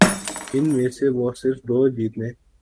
ان میں سے وہ صرف دو جیتنے